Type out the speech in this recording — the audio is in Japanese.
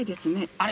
あれ！